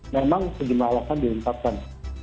memang sejumlah alasan diungkapkan